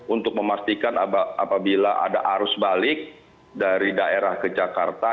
untuk memastikan apabila ada arus balik dari daerah ke jakarta